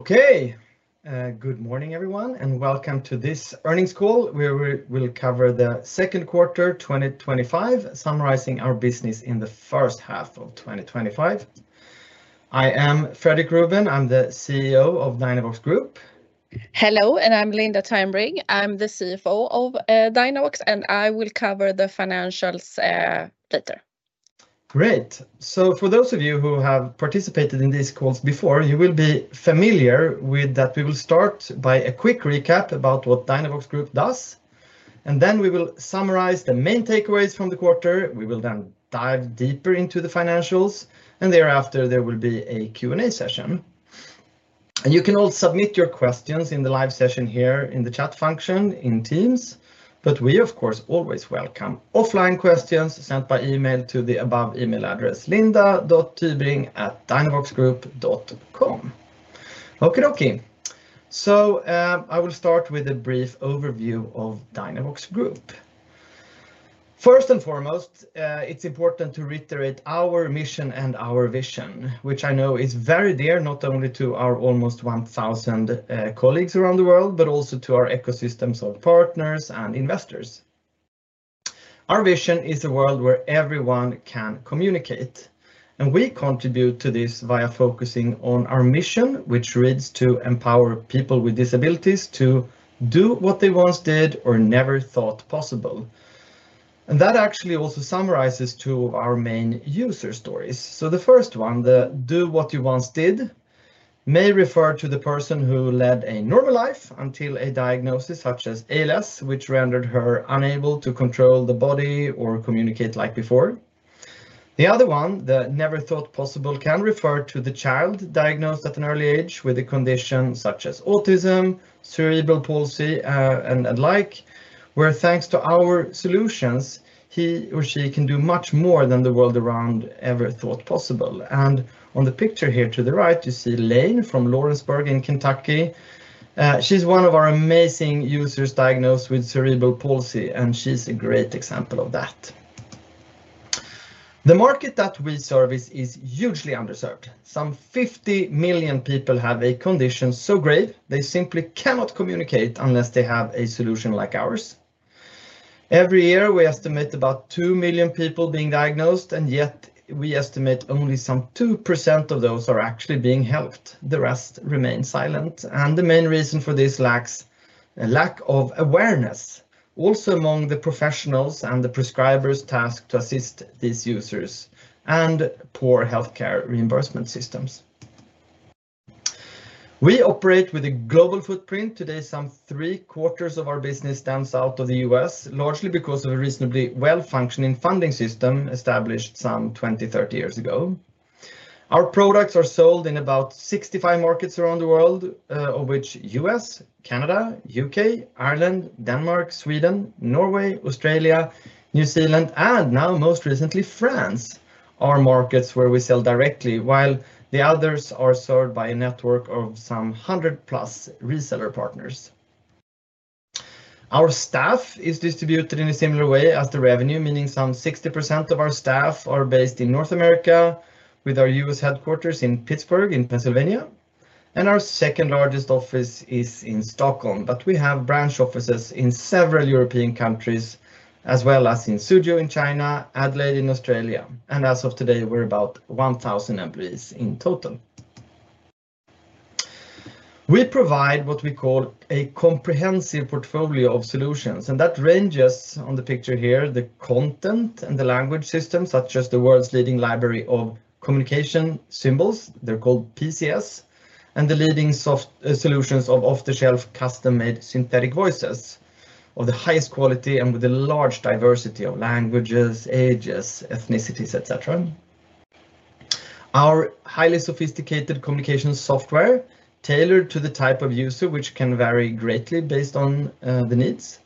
Okay, good morning everyone, and welcome to this earnings call where we will cover the second quarter 2025, summarizing our business in the first half of 2025. I am Fredrik Ruben, I'm the CEO of Dynavox Group. Hello, I'm Linda Tybring, I'm the CFO of Dynavox, and I will cover the financials later. Great. For those of you who have participated in these calls before, you will be familiar with that. We will start by a quick recap about what Dynavox Group does, and then we will summarize the main takeaways from the quarter. We will then dive deeper into the financials, and thereafter there will be a Q&A session. You can all submit your questions in the live session here in the chat function in Teams, but we, of course, always welcome offline questions sent by email to the above email address: linda.tybring@dynavoxgroup.com. Okie-dokie. I will start with a brief overview of Dynavox Group. First and foremost, it's important to reiterate our mission and our vision, which I know is very dear, not only to our almost 1,000 colleagues around the world, but also to our ecosystems of partners and investors. Our vision is a world where everyone can communicate, and we contribute to this via focusing on our mission, which reads to empower people with disabilities to do what they once did or never thought possible. That actually also summarizes two of our main user stories. The first one, the do what you once did, may refer to the person who led a normal life until a diagnosis such as ALS, which rendered her unable to control the body or communicate like before. The other one, the never thought possible, can refer to the child diagnosed at an early age with a condition such as autism, cerebral palsy, and the like, where thanks to our solutions, he or she can do much more than the world around ever thought possible. On the picture here to the right, you see Lane from Lawrenceburg in Kentucky. She's one of our amazing users diagnosed with cerebral palsy, and she's a great example of that. The market that we service is hugely underserved. Some 50 million people have a condition so great they simply cannot communicate unless they have a solution like ours. Every year, we estimate about 2 million people being diagnosed, and yet we estimate only some 2% of those are actually being helped. The rest remain silent, and the main reason for this is a lack of awareness, also among the professionals and the prescribers tasked to assist these users, and poor healthcare reimbursement systems. We operate with a global footprint. Today, some three quarters of our business stands out of the U.S., largely because of a reasonably well-functioning funding system established some 20, 30 years ago. Our products are sold in about 65 markets around the world, of which the U.S., Canada, U.K., Ireland, Denmark, Sweden, Norway, Australia, New Zealand, and now most recently France, are markets where we sell directly, while the others are served by a network of some 100+ reseller partners. Our staff is distributed in a similar way as the revenue, meaning some 60% of our staff are based in North America, with our U.S. headquarters in Pittsburgh, in Pennsylvania, and our second largest office is in Stockholm. We have branch offices in several European countries, as well as in Suzhou in China, Adelaide in Australia, and as of today, we're about 1,000 employees in total. We provide what we call a comprehensive portfolio of solutions, and that ranges on the picture here, the content and the language systems, such as the world's leading library of communication symbols, they're called PCS, and the leading software solutions of off-the-shelf custom-made synthetic voices, of the highest quality and with a large diversity of languages, ages, ethnicities, etc. Our highly sophisticated communication software is tailored to the type of user, which can vary greatly based on the needs.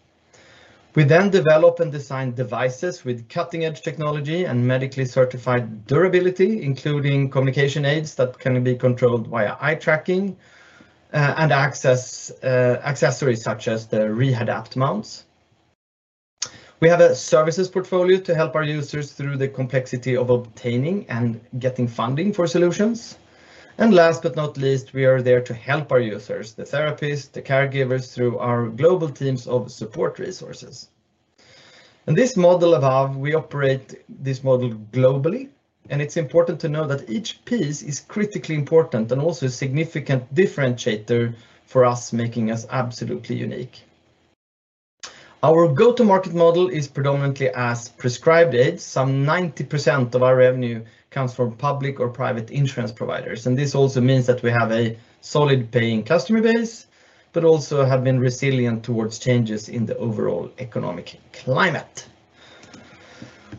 We then develop and design devices with cutting-edge technology and medically certified durability, including communication aids that can be controlled via eye tracking and accessories such as the Rehadapt mounts. We have a services portfolio to help our users through the complexity of obtaining and getting funding for solutions. Last but not least, we are there to help our users, the therapists, the caregivers, through our global teams of support resources. This model above, we operate this model globally, and it's important to know that each piece is critically important and also a significant differentiator for us, making us absolutely unique. Our go-to-market model is predominantly as prescribed aids. Some 90% of our revenue comes from public or private insurance providers, and this also means that we have a solid paying customer base, but also have been resilient towards changes in the overall economic climate.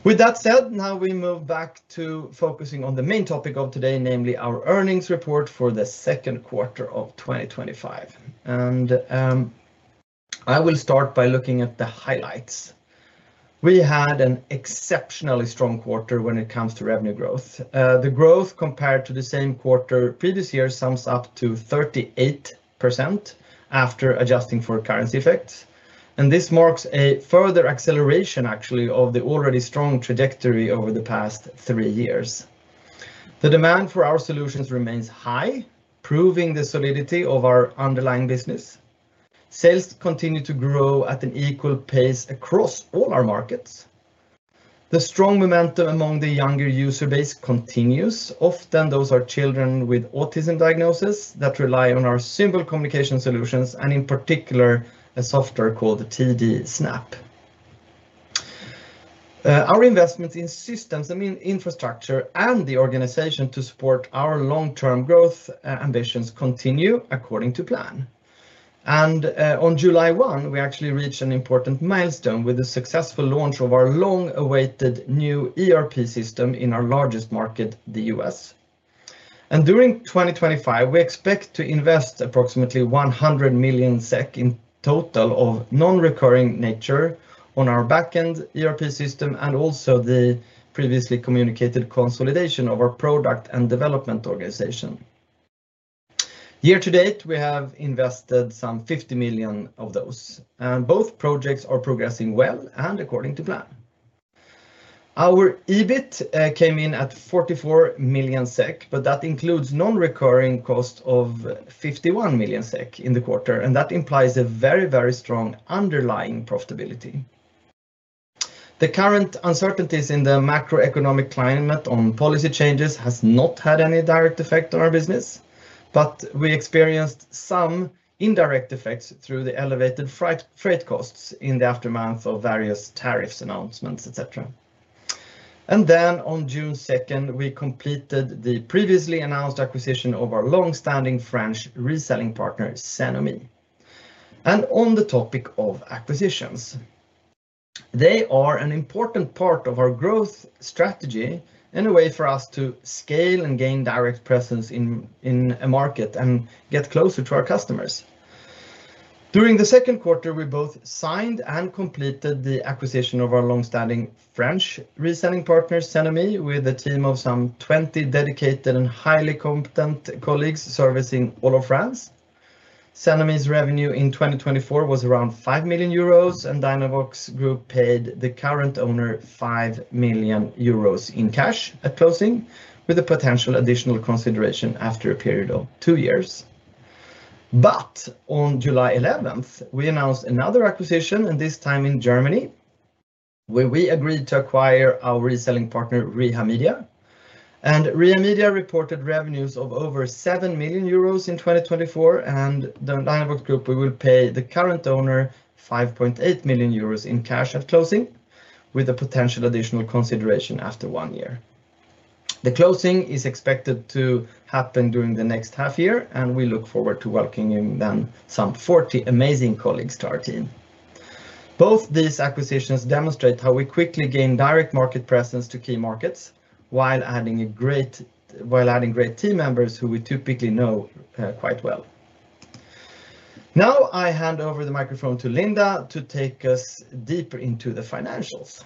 With that said, now we move back to focusing on the main topic of today, namely our earnings report for the second quarter of 2025. I will start by looking at the highlights. We had an exceptionally strong quarter when it comes to revenue growth. The growth compared to the same quarter previous year sums up to 38% after adjusting for currency effects. This marks a further acceleration, actually, of the already strong trajectory over the past three years. The demand for our solutions remains high, proving the solidity of our underlying business. Sales continue to grow at an equal pace across all our markets. The strong momentum among the younger user base continues, often those are children with autism diagnosis that rely on our simple communication solutions, and in particular, a software called TD Snap. Our investments in systems and infrastructure and the organization to support our long-term growth ambitions continue according to plan. On July 1, we actually reached an important milestone with the successful launch of our long-awaited new ERP system in our largest market, the U.S. During 2025, we expect to invest approximately 100 million SEK in total of non-recurring nature on our backend ERP system and also the previously communicated consolidation of our product and development organization. Year to date, we have invested some 50 million of those. Both projects are progressing well and according to plan. Our EBIT came in at 44 million SEK, but that includes non-recurring costs of 51 million SEK in the quarter, and that implies a very, very strong underlying profitability. The current uncertainties in the macroeconomic climate on policy changes have not had any direct effect on our business. We experienced some indirect effects through the elevated air freight costs in the aftermath of various tariffs announcements, etc. On June 2nd, we completed the previously announced acquisition of our longstanding French reselling partner, Cenomy. On the topic of acquisitions, they are an important part of our growth strategy and a way for us to scale and gain direct presence in a market and get closer to our customers. During the second quarter, we both signed and completed the acquisition of our longstanding French reselling partner, Cenomy, with a team of some 20 dedicated and highly competent colleagues servicing all of France. Cenomy's revenue in 2024 was around €5 million, and Dynavox Group paid the current owner €5 million in cash at closing, with a potential additional consideration after a period of two years. On July 11th, we announced another acquisition, and this time in Germany, where we agreed to acquire our reselling partner, RehaMedia. RehaMedia reported revenues of over €7 million in 2024, and the Dynavox Group will pay the current owner €5.8 million in cash at closing, with a potential additional consideration after one year. The closing is expected to happen during the next half year, and we look forward to welcoming some 40 amazing colleagues to our team. Both these acquisitions demonstrate how we quickly gain direct market presence to key markets while adding great team members who we typically know quite well. Now I hand over the microphone to Linda to take us deeper into the financials.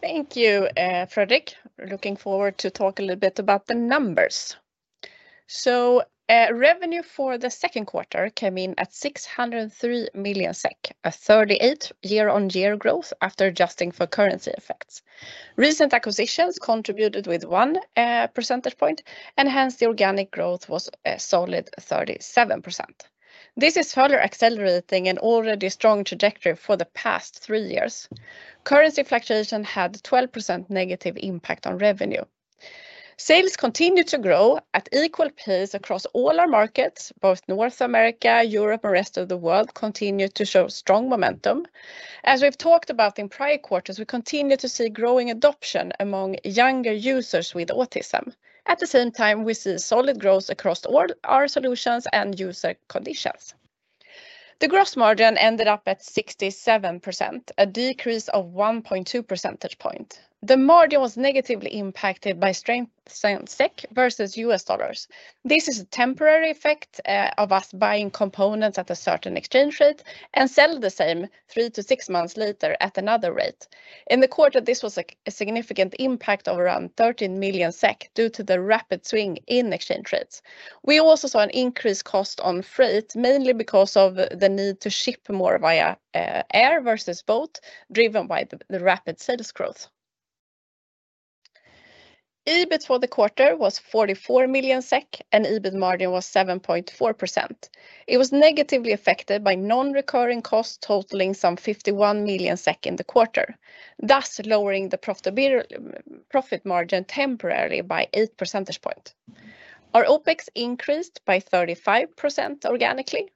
Thank you, Fredrik. Looking forward to talking a little bit about the numbers. Revenue for the second quarter came in at 603 million SEK, a 38% year-on-year growth after adjusting for currency effects. Recent acquisitions contributed with one percentage point, and hence the organic growth was a solid 37%. This is further accelerating an already strong trajectory for the past three years. Currency fluctuation had a 12% negative impact on revenue. Sales continue to grow at equal pace across all our markets. Both North America, Europe, and the rest of the world continue to show strong momentum. As we've talked about in prior quarters, we continue to see growing adoption among younger users with autism. At the same time, we see solid growth across all our solutions and user conditions. The gross margin ended up at 67%, a decrease of 1.2 percentage points. The margin was negatively impacted by strengths in SEK versus U.S. dollars. This is a temporary effect of us buying components at a certain exchange rate and selling the same three to six months later at another rate. In the quarter, this was a significant impact of around 13 million SEK due to the rapid swing in exchange rates. We also saw an increased cost on freight, mainly because of the need to ship more via air versus boat, driven by the rapid sales growth. EBIT for the quarter was 44 million SEK, and EBIT margin was 7.4%. It was negatively affected by non-recurring costs totaling some 51 million SEK in the quarter, thus lowering the profit margin temporarily by 8 percentage points. Our OpEx increased by 35% organically.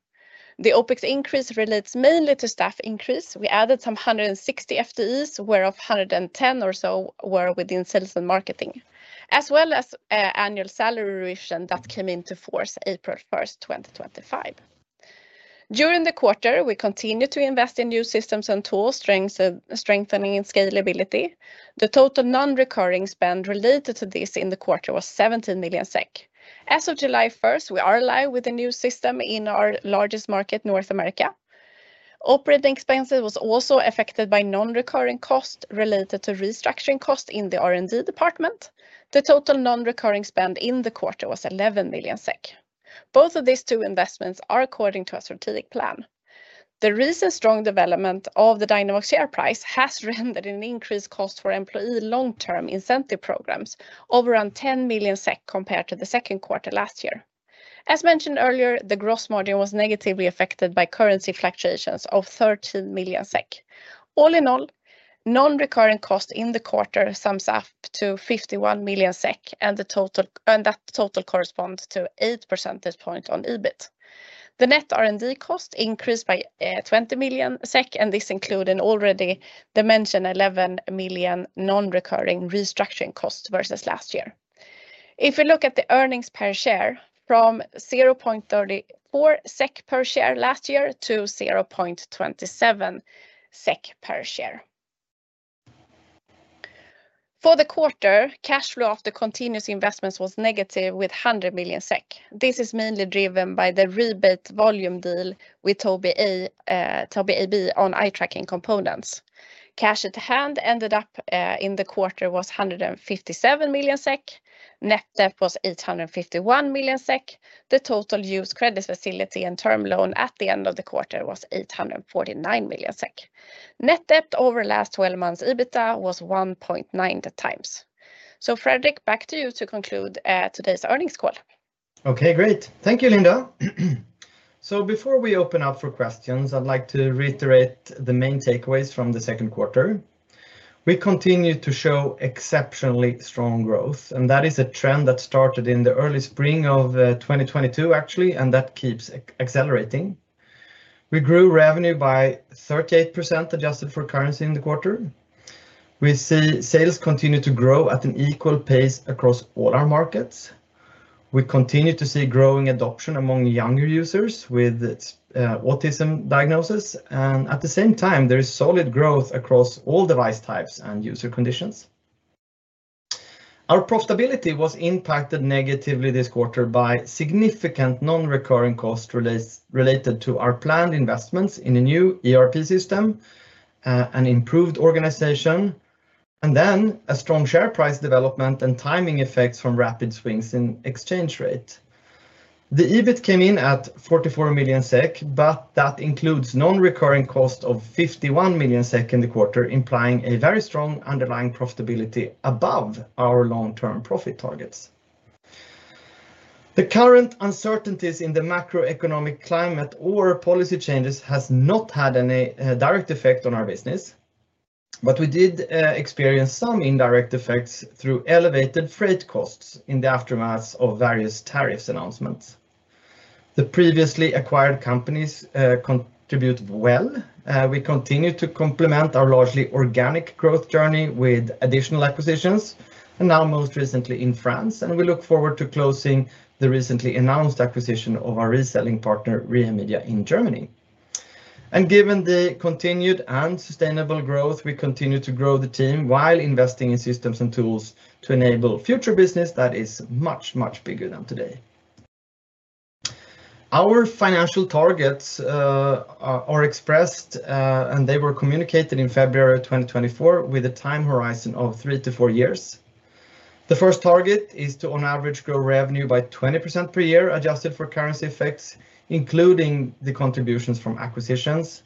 The OpEx increase relates mainly to staff increase. We added some 160 FTEs, where 110 FTEs or so were within sales and marketing, as well as annual salary revision that came into force on April 1st, 2025. During the quarter, we continued to invest in new systems and tools, strengthening scalability. The total non-recurring spend related to this in the quarter was 17 million SEK. As of July 1st, we are live with a new system in our largest market, North America. Operating expenses were also affected by non-recurring costs related to restructuring costs in the R&D department. The total non-recurring spend in the quarter was 11 million SEK. Both of these two investments are according to our strategic plan. The recent strong development of the Dynavox share price has rendered an increased cost for employee long-term incentive programs of around 10 million SEK compared to the second quarter last year. As mentioned earlier, the gross margin was negatively affected by currency fluctuations of 13 million SEK. All in all, non-recurring costs in the quarter sum up to 51 million SEK, and that total corresponds to 8% on EBIT. The net R&D cost increased by 20 million SEK, and this included already the mentioned 11 million non-recurring restructuring costs versus last year. If you look at the earnings per share, from 0.34 SEK per share last year to 0.27 SEK per share. For the quarter, cash flow after continuous investments was negative with 100 million SEK. This is mainly driven by the rebate volume deal with Tobii on eye tracking components. Cash at hand ended up in the quarter at 157 million SEK. Net debt was 851 million SEK. The total used credit facility and term loan at the end of the quarter was 849 million SEK. Net debt over the last 12 months EBITDA was 1.9x. Fredrik, back to you to conclude today's earnings call. Okay, great. Thank you, Linda. Before we open up for questions, I'd like to reiterate the main takeaways from the second quarter. We continue to show exceptionally strong growth, and that is a trend that started in the early spring of 2022, actually, and that keeps accelerating. We grew revenue by 38% adjusted for currency in the quarter. We see sales continue to grow at an equal pace across all our markets. We continue to see growing adoption among younger users with autism diagnosis, and at the same time, there is solid growth across all device types and user conditions. Our profitability was impacted negatively this quarter by significant non-recurring costs related to our planned investments in a new ERP system and improved organization, and then a strong share price development and timing effects from rapid swings in exchange rates. The EBIT came in at 44 million SEK, but that includes non-recurring costs of 51 million SEK in the quarter, implying a very strong underlying profitability above our long-term profit targets. The current uncertainties in the macroeconomic climate or policy changes have not had any direct effect on our business, but we did experience some indirect effects through elevated air freight costs in the aftermath of various tariffs announcements. The previously acquired companies contributed well. We continue to complement our largely organic growth journey with additional acquisitions, now most recently in France, and we look forward to closing the recently announced acquisition of our reselling partner, RehaMedia, in Germany. Given the continued and sustainable growth, we continue to grow the team while investing in systems and tools to enable future business that is much, much bigger than today. Our financial targets are expressed, and they were communicated in February 2024 with a time horizon of three to four years. The first target is to, on average, grow revenue by 20% per year, adjusted for currency effects, including the contributions from acquisitions.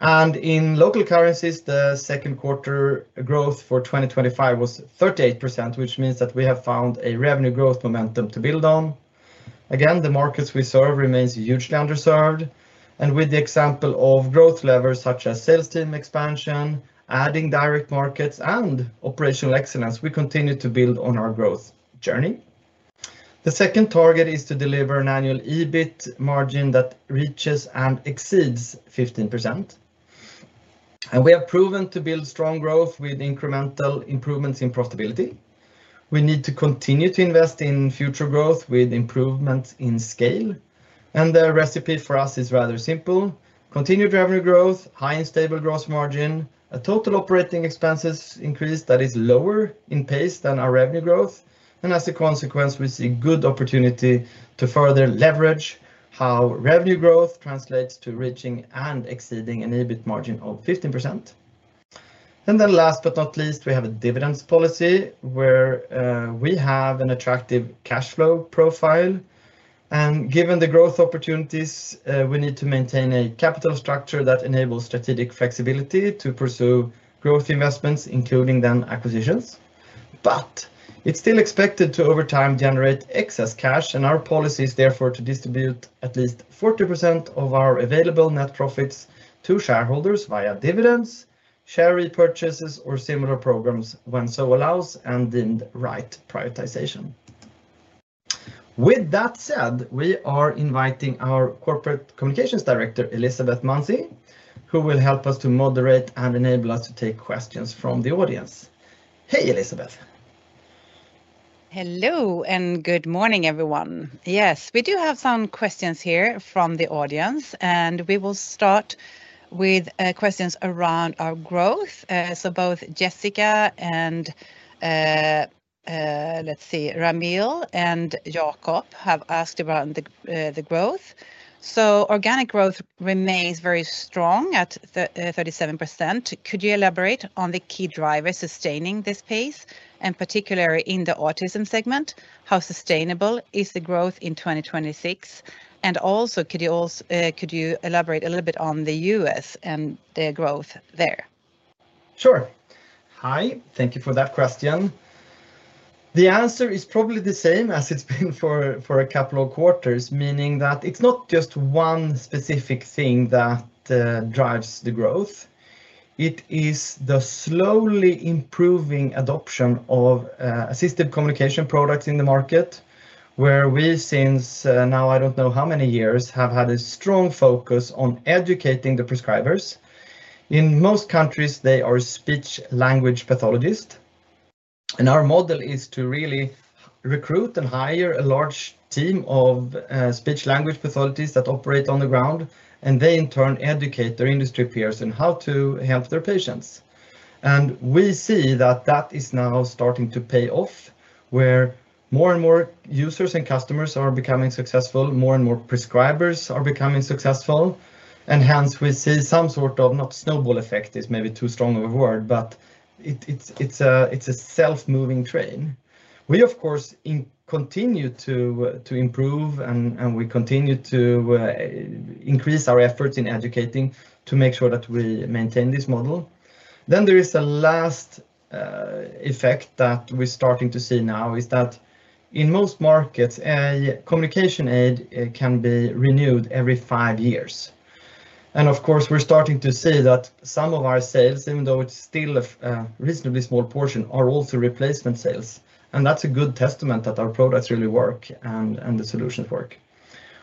In local currencies, the second quarter growth for 2025 was 38%, which means that we have found a revenue growth momentum to build on. The markets we serve remain hugely underserved, and with the example of growth levers such as sales team expansion, adding direct markets, and operational excellence, we continue to build on our growth journey. The second target is to deliver an annual EBIT margin that reaches and exceeds 15%. We have proven to build strong growth with incremental improvements in profitability. We need to continue to invest in future growth with improvements in scale, and the recipe for us is rather simple: continued revenue growth, high and stable gross margin, a total operating expenses increase that is lower in pace than our revenue growth, and as a consequence, we see good opportunity to further leverage how revenue growth translates to reaching and exceeding an EBIT margin of 15%. Last but not least, we have a dividends policy where we have an attractive cash flow profile, and given the growth opportunities, we need to maintain a capital structure that enables strategic flexibility to pursue growth investments, including acquisitions. It is still expected to, over time, generate excess cash, and our policy is therefore to distribute at least 40% of our available net profits to shareholders via dividends, share repurchases, or similar programs when so allows, and in the right prioritization. With that said, we are inviting our Corporate Communications Director, Elisabeth Manzi, who will help us to moderate and enable us to take questions from the audience. Hey, Elisabeth. Hello and good morning, everyone. Yes, we do have some questions here from the audience, and we will start with questions around our growth. Both Jessica and, let's see, Ramil and Jakob have asked about the growth. Organic growth remains very strong at 37%. Could you elaborate on the key drivers sustaining this pace, and particularly in the autism segment? How sustainable is the growth in 2026? Also, could you elaborate a little bit on the U.S. and the growth there? Sure. Hi, thank you for that question. The answer is probably the same as it's been for a couple of quarters, meaning that it's not just one specific thing that drives the growth. It is the slowly improving adoption of assistive communication products in the market, where we, since now I don't know how many years, have had a strong focus on educating the prescribers. In most countries, they are speech-language pathologists, and our model is to really recruit and hire a large team of speech-language pathologists that operate on the ground, and they in turn educate their industry peers on how to help their patients. We see that that is now starting to pay off, where more and more users and customers are becoming successful, more and more prescribers are becoming successful, and hence we see some sort of, not snowball effect, it's maybe too strong of a word, but it's a self-moving train. We, of course, continue to improve, and we continue to increase our efforts in educating to make sure that we maintain this model. There is a last effect that we're starting to see now, which is that in most markets, a communication aid can be renewed every five years. Of course, we're starting to see that some of our sales, even though it's still a reasonably small portion, are also replacement sales, and that's a good testament that our products really work and the solutions work.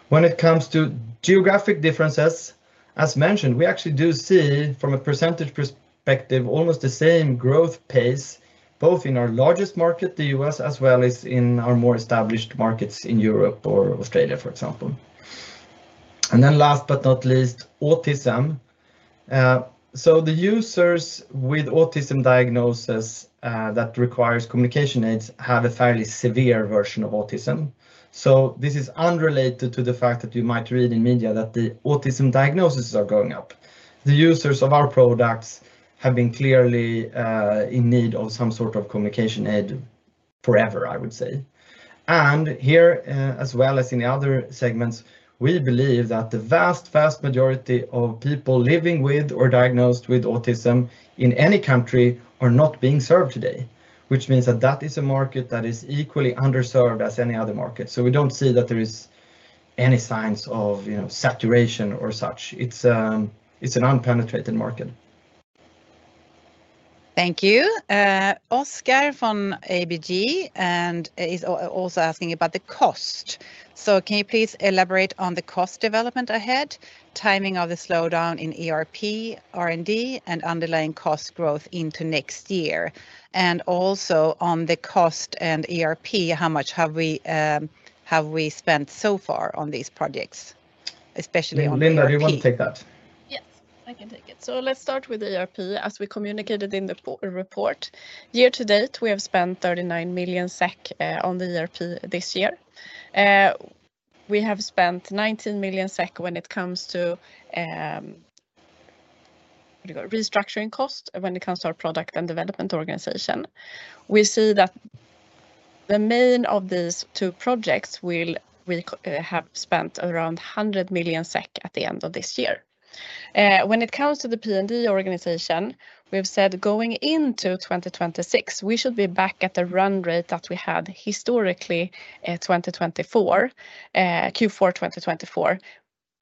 When it comes to geographic differences, as mentioned, we actually do see, from a percentage perspective, almost the same growth pace, both in our largest market, the U.S., as well as in our more established markets in Europe or Australia, for example. Last but not least, autism. The users with autism diagnosis that require communication aids have a fairly severe version of autism. This is unrelated to the fact that you might read in media that the autism diagnoses are going up. The users of our products have been clearly in need of some sort of communication aid forever, I would say. Here, as well as in the other segments, we believe that the vast, vast majority of people living with or diagnosed with autism in any country are not being served today, which means that that is a market that is equally underserved as any other market. We don't see that there are any signs of saturation or such. It's an unpenetrated market. Thank you. Oskar from ABG is also asking about the cost. Can you please elaborate on the cost development ahead, timing of the slowdown in ERP, R&D, and underlying cost growth into next year? Also, on the cost and ERP, how much have we spent so far on these projects? Especially on. Linda, do you want to take that? Yes, I can take it. Let's start with the ERP system. As we communicated in the report, year to date, we have spent 39 million SEK on the ERP system this year. We have spent 19 million SEK when it comes to restructuring costs and when it comes to our product and development organization. We see that the main of these two projects will have spent around 100 million SEK at the end of this year. When it comes to the product and development organization, we have said going into 2026, we should be back at the run rate that we had historically in Q4 2024,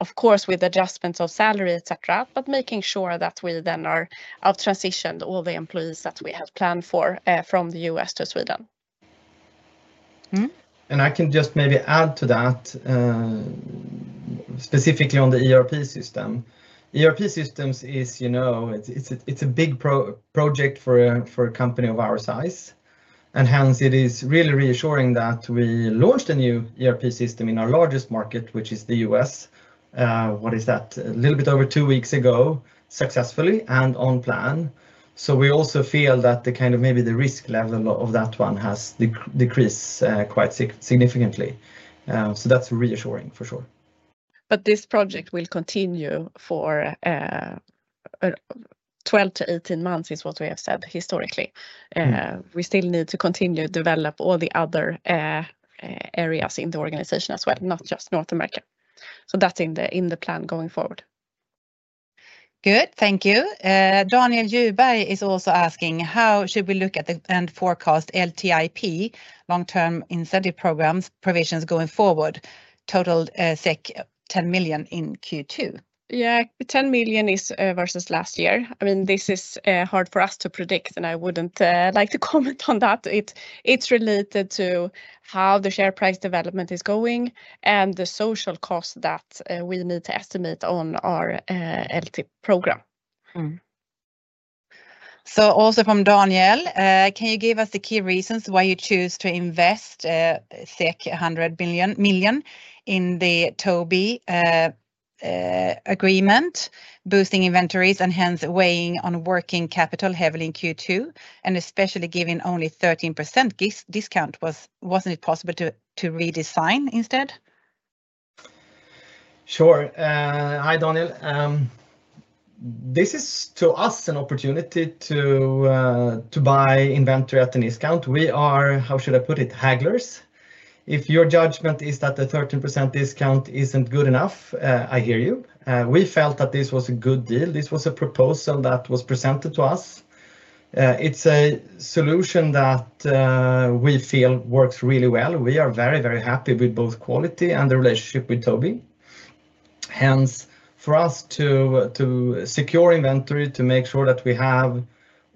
of course, with adjustments of salary, etc., but making sure that we then are transitioned all the employees that we have planned for from the U.S. to Sweden. I can just maybe add to that, specifically on the ERP system. ERP systems is, you know, it's a big project for a company of our size, and hence it is really reassuring that we launched a new ERP system in our largest market, which is the U.S., a little bit over two weeks ago, successfully and on plan. We also feel that the kind of maybe the risk level of that one has decreased quite significantly. That's reassuring for sure. This project will continue for 12-18 months, is what we have said historically. We still need to continue to develop all the other areas in the organization as well, not just North America. That's in the plan going forward. Good, thank you. Daniel Juberg is also asking, how should we look at the end forecast LTIP, long-term incentive program provisions going forward, totaled 10 million in Q2? Yeah, $10 million versus last year. I mean, this is hard for us to predict, and I wouldn't like to comment on that. It's related to how the share price development is going and the social cost that we need to estimate on our long-term incentive program. Can you give us the key reasons why you choose to invest 100 million in the Tobii agreement, boosting inventories and hence weighing on working capital heavily in Q2, and especially given only a 13% discount, wasn't it possible to redesign instead? Sure. Hi Daniel. This is to us an opportunity to buy inventory at the discount. We are, how should I put it, hagglers. If your judgment is that the 13% discount isn't good enough, I hear you. We felt that this was a good deal. This was a proposal that was presented to us. It's a solution that we feel works really well. We are very, very happy with both quality and the relationship with Tobii. Hence, for us to secure inventory, to make sure that we have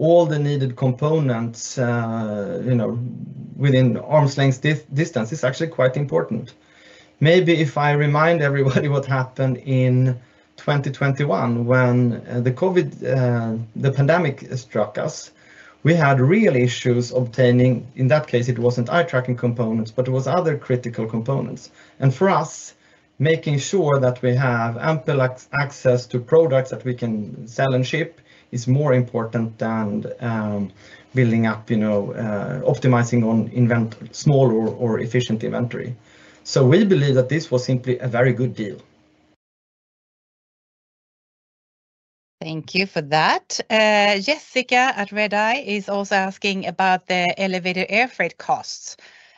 all the needed components, you know, within arm's length distance, is actually quite important. Maybe if I remind everybody what happened in 2021 when the COVID pandemic struck us, we had real issues obtaining, in that case, it wasn't eye tracking components, but it was other critical components. For us, making sure that we have ample access to products that we can sell and ship is more important than building up, you know, optimizing on small or efficient inventory. We believe that this was simply a very good deal. Thank you for that. Jessica at Redeye is also asking about the elevated air freight costs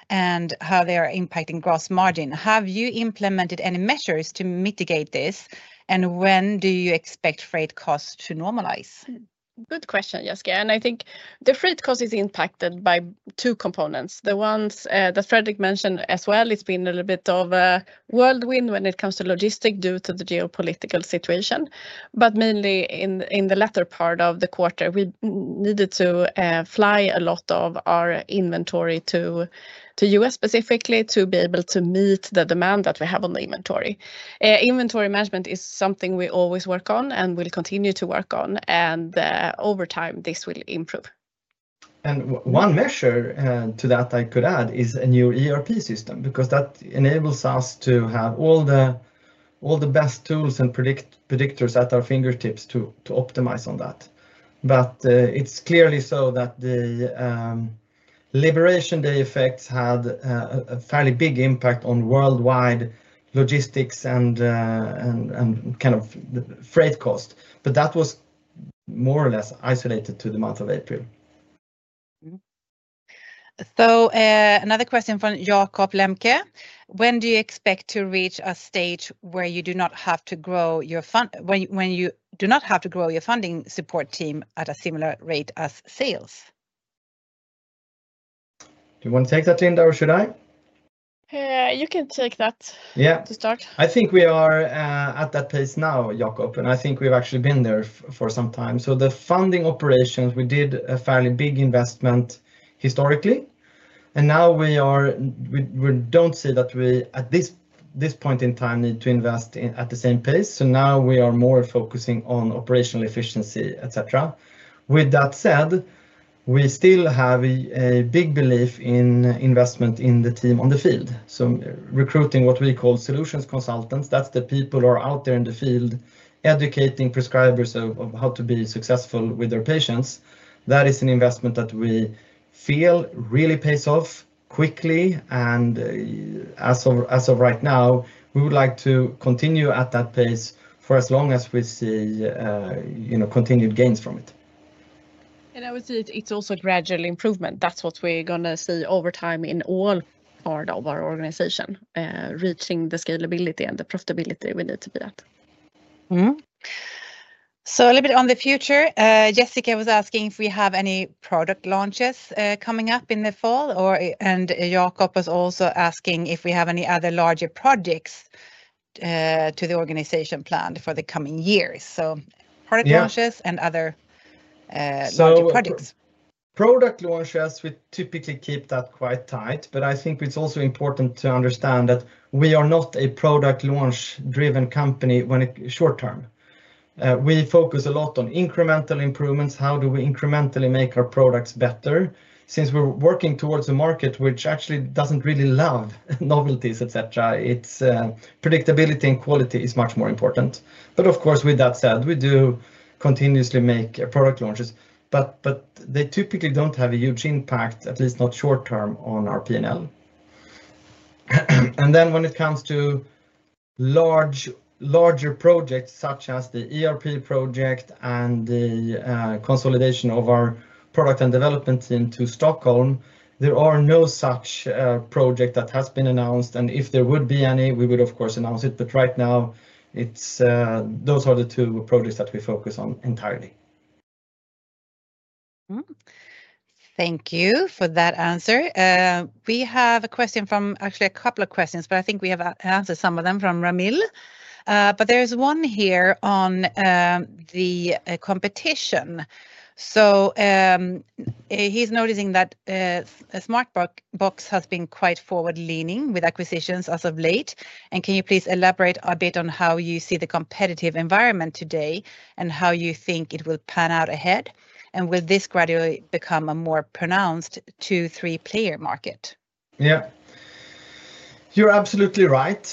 and how they are impacting gross margin. Have you implemented any measures to mitigate this, and when do you expect freight costs to normalize? Good question, Jessica. I think the freight cost is impacted by two components. The ones that Fredrik mentioned as well, it's been a little bit of a whirlwind when it comes to logistics due to the geopolitical situation. Mainly in the latter part of the quarter, we needed to fly a lot of our inventory to the U.S. specifically to be able to meet the demand that we have on the inventory. Inventory management is something we always work on and will continue to work on, and over time this will improve. One measure to that I could add is a new ERP system because that enables us to have all the best tools and predictors at our fingertips to optimize on that. It is clearly so that the Liberation Day effects had a fairly big impact on worldwide logistics and kind of air freight costs. That was more or less isolated to the month of April. Another question from Jakob Lemke. When do you expect to reach a stage where you do not have to grow your funding support team at a similar rate as sales? Do you want to take that, Linda, or should I? You can take that to start. I think we are at that pace now, Jakob, and I think we've actually been there for some time. The funding operations, we did a fairly big investment historically, and now we don't see that we at this point in time need to invest at the same pace. We are more focusing on operational efficiency, etc. With that said, we still have a big belief in investment in the team on the field. Recruiting what we call solutions consultants, that's the people who are out there in the field educating prescribers of how to be successful with their patients. That is an investment that we feel really pays off quickly, and as of right now, we would like to continue at that pace for as long as we see continued gains from it. I would say it's also a gradual improvement. That's what we're going to see over time in all parts of our organization, reaching the scalability and the profitability we need to be at. A little bit on the future, Jessica was asking if we have any product launches coming up in the fall, and Jakob was also asking if we have any other larger projects to the organization planned for the coming years. Product launches and other larger projects. Product launches, we typically keep that quite tight, but I think it's also important to understand that we are not a product launch-driven company short term. We focus a lot on incremental improvements. How do we incrementally make our products better? Since we're working towards a market which actually doesn't really love novelties, its predictability and quality are much more important. Of course, with that said, we do continuously make product launches, but they typically don't have a huge impact, at least not short term, on our P&L. When it comes to larger projects such as the ERP system project and the consolidation of our product and development team to Stockholm, there are no such projects that have been announced, and if there would be any, we would, of course, announce it. Right now, those are the two projects that we focus on entirely. Thank you for that answer. We have a question from actually a couple of questions, but I think we have answered some of them from Ramil. There is one here on the competition. He's noticing that Smartbox has been quite forward-leaning with acquisitions as of late. Can you please elaborate a bit on how you see the competitive environment today and how you think it will pan out ahead? Will this gradually become a more pronounced two-three-player market? Yeah. You're absolutely right.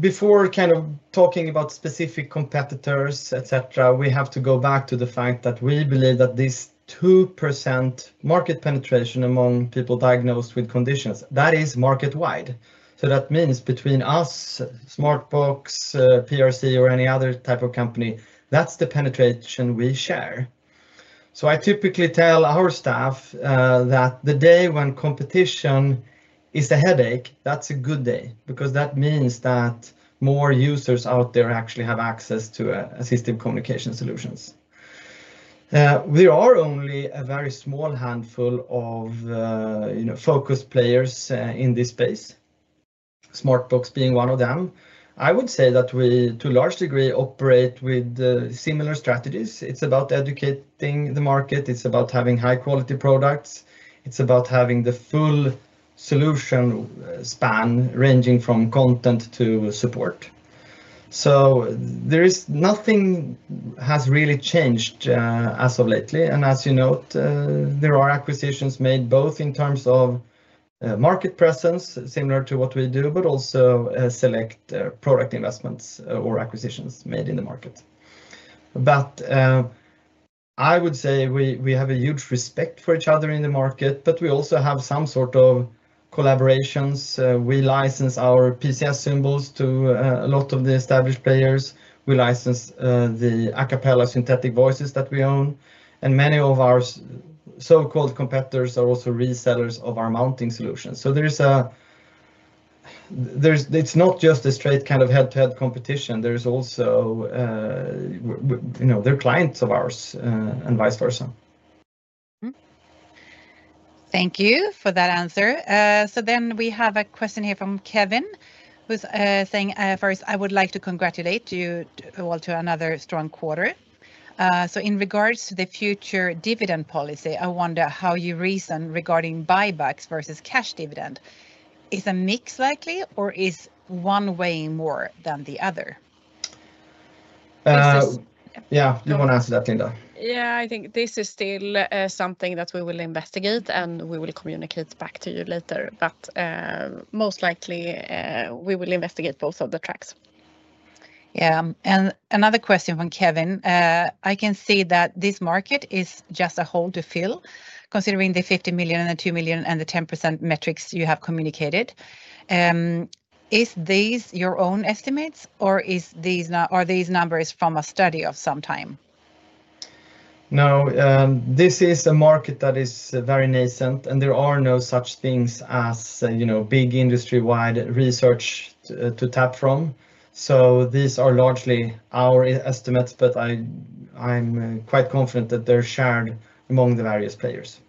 Before talking about specific competitors, etc., we have to go back to the fact that we believe that this 2% market penetration among people diagnosed with conditions, that is market-wide. That means between us, Smartbox, PRC, or any other type of company, that's the penetration we share. I typically tell our staff that the day when competition is a headache, that's a good day because that means that more users out there actually have access to assistive communication solutions. There are only a very small handful of focused players in this space, Smartbox being one of them. I would say that we, to a large degree, operate with similar strategies. It's about educating the market. It's about having high-quality products. It's about having the full solution span ranging from content to support. There is nothing that has really changed as of lately. As you note, there are acquisitions made both in terms of market presence, similar to what we do, but also select product investments or acquisitions made in the market. I would say we have a huge respect for each other in the market, but we also have some sort of collaborations. We license our PCS symbols to a lot of the established players. We license the acapella synthetic voices that we own. Many of our so-called competitors are also resellers of our mounting solutions. It's not just a straight kind of head-to-head competition. There are clients of ours and vice versa. Thank you for that answer. We have a question here from Kevin who's saying, "First, I would like to congratulate you all to another strong quarter. In regards to the future dividend policy, I wonder how you reason regarding buybacks versus cash dividend. Is a mix likely or is one weighing more than the other? Yeah, you want to answer that, Linda? I think this is still something that we will investigate, and we will communicate back to you later. Most likely, we will investigate both of the tracks. Yeah, another question from Kevin. I can see that this market is just a hole to fill, considering the $50 million and $2 million and the 10% metrics you have communicated. Is this your own estimates or are these numbers from a study of some kind? No, this is a market that is very nascent, and there are no such things as big industry-wide research to tap from. These are largely our estimates, but I'm quite confident that they're shared among the various players.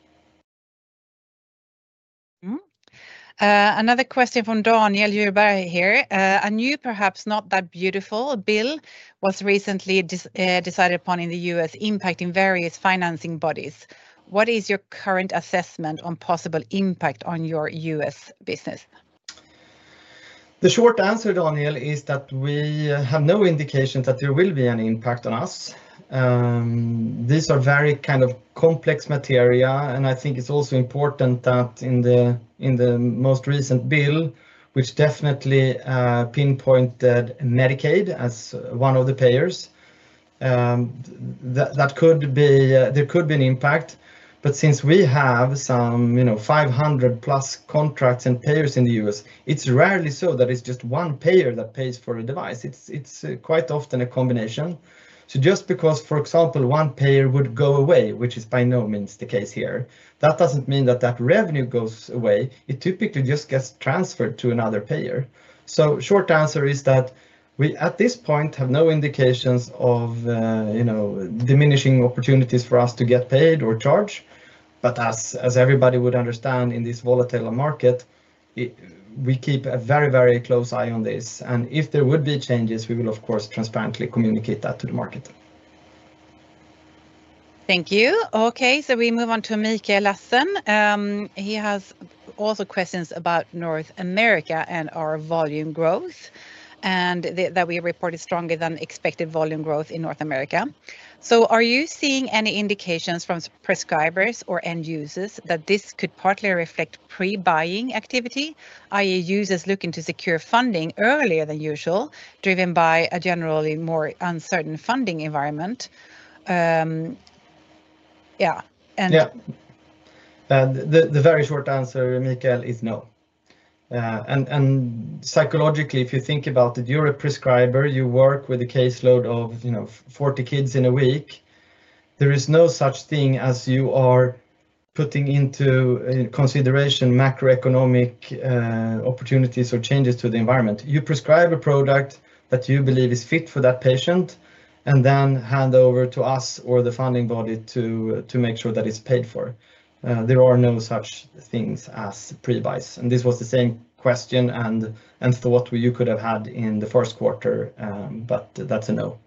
Another question from Daniel Juberg here. A new, perhaps not that beautiful bill was recently decided upon in the U.S., impacting various financing bodies. What is your current assessment on possible impact on your U.S. business? The short answer, Daniel, is that we have no indications that there will be an impact on us. These are very kind of complex material, and I think it's also important that in the most recent bill, which definitely pinpointed Medicaid as one of the payers, there could be an impact. Since we have some 500+ contracts and payers in the U.S., it's rarely so that it's just one payer that pays for a device. It's quite often a combination. Just because, for example, one payer would go away, which is by no means the case here, that doesn't mean that that revenue goes away. It typically just gets transferred to another payer. The short answer is that we at this point have no indications of diminishing opportunities for us to get paid or charge. As everybody would understand in this volatile market, we keep a very, very close eye on this. If there would be changes, we will, of course, transparently communicate that to the market. Thank you. Okay, we move on to Mikael Larsson. He also has questions about North America and our volume growth, and that we reported stronger than expected volume growth in North America. Are you seeing any indications from prescribers or end users that this could partly reflect pre-buying activity, i.e., users looking to secure funding earlier than usual, driven by a generally more uncertain funding environment? Yeah. The very short answer, Mikael, is no. Psychologically, if you think about it, you're a prescriber, you work with a caseload of 40 kids in a week. There is no such thing as you are putting into consideration macroeconomic opportunities or changes to the environment. You prescribe a product that you believe is fit for that patient and then hand over to us or the funding body to make sure that it's paid for. There are no such things as pre-buys. This was the same question and thought you could have had in the first quarter, but that's a no.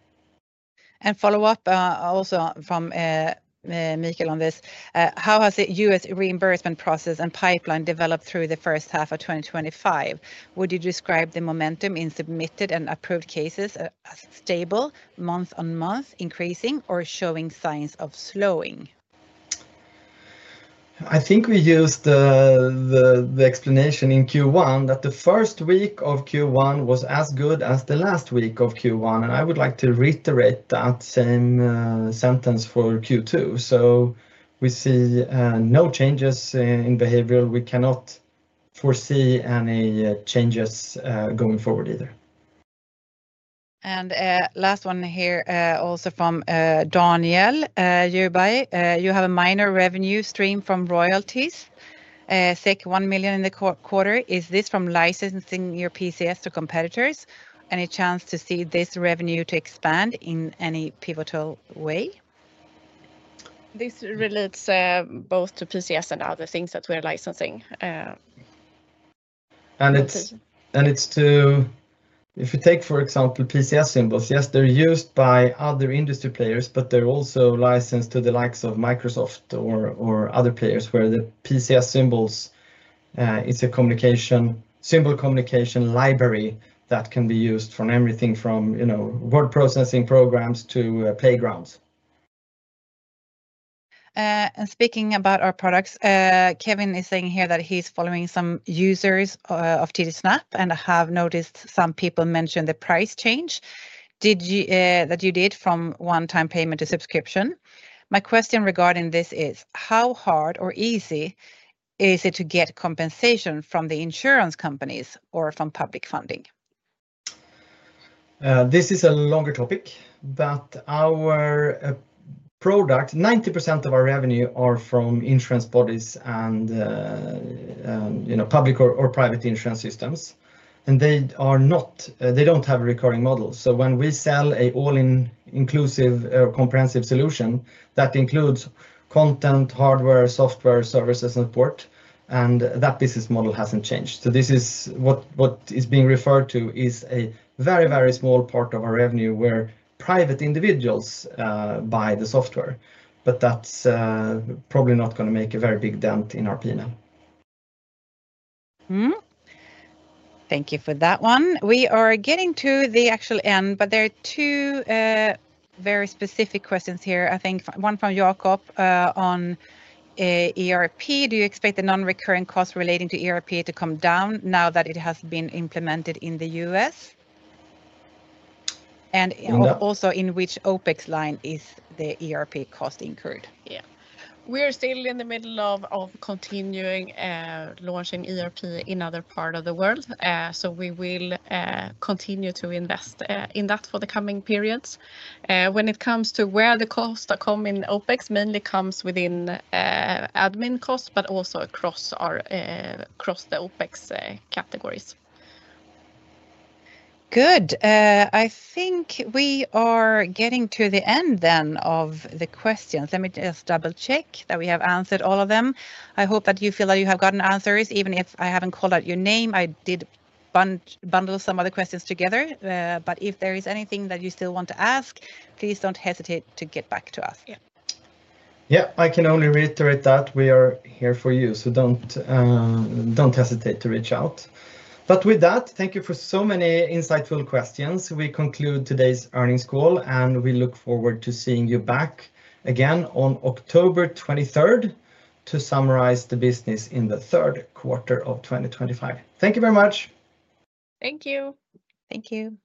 Following up also from Mikae; on this, how has the U.S. reimbursement process and pipeline developed through the first half of 2025? Would you describe the momentum in submitted and approved cases as stable month on month, increasing, or showing signs of slowing? I think we used the explanation in Q1 that the first week of Q1 was as good as the last week of Q1. I would like to reiterate that same sentence for Q2. We see no changes in behavior. We cannot foresee any changes going forward either. You have a minor revenue stream from royalties, 1 million in the quarter. Is this from licensing your PCS to competitors? Any chance to see this revenue expand in any pivotal way? This relates both to PCS and other things that we are licensing. If you take, for example, PCS symbols, yes, they're used by other industry players, but they're also licensed to the likes of Microsoft or other players where the PCS symbols, it's a communication symbol communication library that can be used for everything from, you know, word processing programs to playgrounds. Speaking about our products, Kevin is saying here that he's following some users of TD Snap and has noticed some people mentioned the price change that you did from one-time payment to subscription. My question regarding this is, how hard or easy is it to get compensation from the insurance companies or from public funding? This is a longer topic, but our product, 90% of our revenue are from insurance bodies and public or private insurance systems. They don't have a recurring model. When we sell an all-inclusive or comprehensive solution that includes content, hardware, software, services, and support, that business model hasn't changed. This is what is being referred to as a very, very small part of our revenue where private individuals buy the software. That's probably not going to make a very big dent in our P&L. Thank you for that one. We are getting to the actual end, but there are two very specific questions here. I think one from Jakob on ERP. Do you expect the non-recurring costs relating to ERP to come down now that it has been implemented in the U.S.? Also, in which OpEx line is the ERP cost incurred? Yeah, we are still in the middle of continuing launching the ERP system in other parts of the world. We will continue to invest in that for the coming periods. When it comes to where the costs come in OpEx, it mainly comes within admin costs, but also across the OpEx categories. Good. I think we are getting to the end of the questions. Let me just double-check that we have answered all of them. I hope that you feel that you have gotten answers, even if I haven't called out your name. I did bundle some of the questions together. If there is anything that you still want to ask, please don't hesitate to get back to us. I can only reiterate that we are here for you, so don't hesitate to reach out. Thank you for so many insightful questions. We conclude today's earnings call, and we look forward to seeing you back again on October 23 to summarize the business in the third quarter of 2025. Thank you very much. Thank you. Thank you.